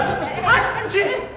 tepat kan sih